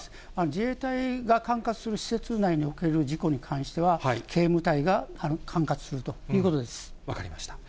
自衛隊が管轄する施設内における事故に関しては、警務隊が管轄す分かりました。